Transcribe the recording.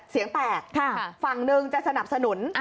เสียงแตกฝั่งหนึ่งจะสนับสนุน